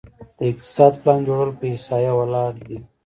د اقتصاد پلان جوړول په احصایه ولاړ دي؟